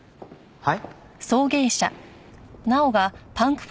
はい！